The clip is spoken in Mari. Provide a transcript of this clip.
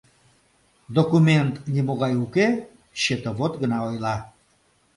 Документ нимогай уке, счетовод гына ойла.